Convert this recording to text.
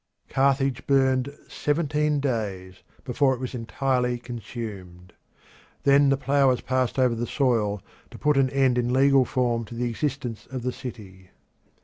Carthage burned seventeen days before it was entirely consumed. Then the plough was passed over the soil to put an end in legal form to the existence of the city.